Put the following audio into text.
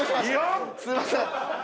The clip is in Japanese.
すいません。